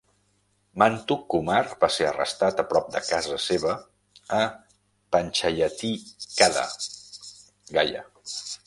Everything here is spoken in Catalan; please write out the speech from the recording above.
Mantu Kumar va ser arrestat a prop de casa seva a Panchayatee khada, Gaya.